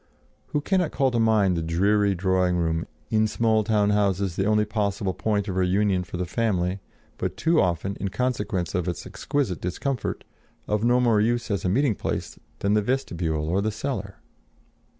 Who cannot call to mind the dreary drawing room, in small town houses the only possible point of reunion for the family, but too often, in consequence of its exquisite discomfort, of no more use as a meeting place than the vestibule or the cellar?